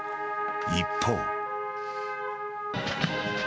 一方。